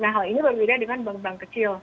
nah hal ini berbeda dengan bank bank kecil